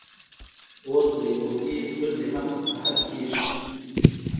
اوس درې بعدي ستونزې هم پرې حل کیږي.